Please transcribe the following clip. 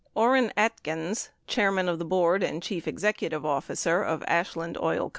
Orin Atkins, chairman of the board and chief executive officer of Ashland Oil Co.